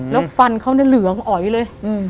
แล้วฟันเขาเนี่ยเหลืองอ๋อยเลย